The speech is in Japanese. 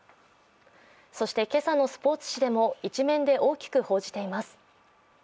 そして今朝のスポーツ紙でも１面で大きく伝えています。